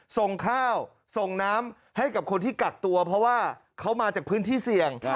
ส่งข้าวส่งน้ำให้กับคนที่กักตัวเพราะว่าเขามาจากพื้นที่เสี่ยง